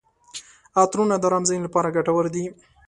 عطرونه د ارام ذهن لپاره ګټور دي.